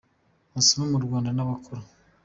masomo mu Rwanda n’abakora.